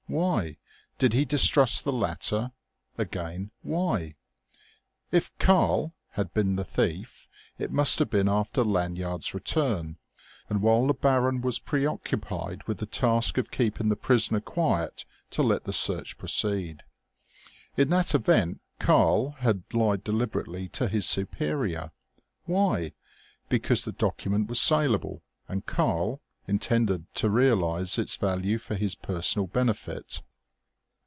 Why? Did he distrust the latter? Again, why? If "Karl" had been the thief, it must have been after Lanyard's return, and while the Baron was preoccupied with the task of keeping the prisoner quiet, to let the search proceed. In that event "Karl" had lied deliberately to his superior. Why? Because the document was salable, and "Karl" intended to realize its value for his personal benefit?